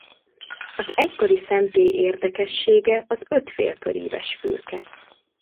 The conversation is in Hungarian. Az egykori szentély érdekessége az öt félköríves fülke.